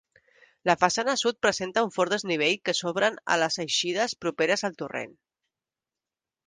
La façana sud presenta un fort desnivell que s'obren a les eixides properes al torrent.